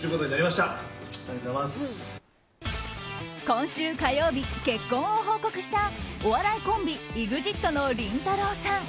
今週火曜日、結婚を報告したお笑いコンビＥＸＩＴのりんたろー。さん。